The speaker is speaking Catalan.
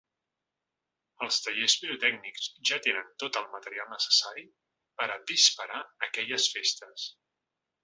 Els tallers pirotècnics ja tenien tot el material necessari per a disparar aquelles festes.